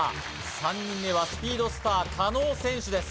３人目はスピードスター加納選手です